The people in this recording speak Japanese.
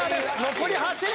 残り８人！